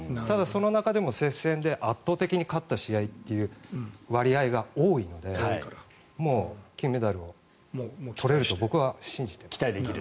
ただその中でも接戦で圧倒的に勝った試合という割合が多いのでもう金メダルを取れると僕は信じてます。